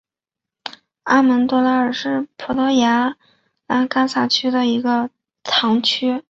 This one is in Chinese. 阿门多埃拉是葡萄牙布拉干萨区的一个堂区。